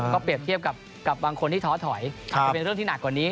เปรียบเทียบกับบางคนที่ท้อถอยอาจจะเป็นเรื่องที่หนักกว่านี้